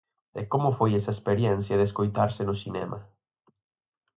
E como foi esa experiencia de escoitarse no cinema?